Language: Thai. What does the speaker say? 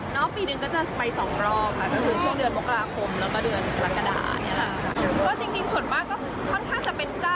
เพราะพี่นึงก็จะไป๒รอบค่ะ